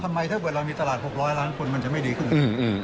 ทำไมถ้าเวลามีตลาด๖๐๐ล้านคนมันจะไม่ดีขึ้น